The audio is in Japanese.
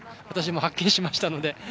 私もはっきりしましたので。